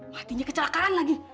matinya kecelakaan lagi